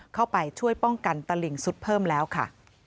เข้าไปช่วยป้องกันตลิ่งสุดเพิ่มแล้วค่ะ